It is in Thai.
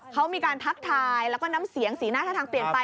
เขามีการทักทายแล้วก็น้ำเสียงสีหน้าท่าทางเปลี่ยนไป